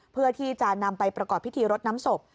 เพื่อที่จะนำไปประกอบพิธีรดน้ำศพ